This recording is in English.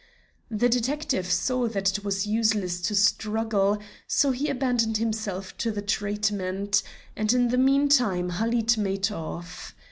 The detective saw that it was useless to struggle, so he abandoned himself to the treatment; and in the meantime Halid made off.